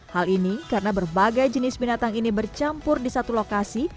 hal ini karena berbagai jenis binatang ini bercampur di satu lokasi